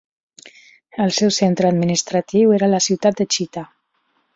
El seu centre administratiu era la ciutat de Chita.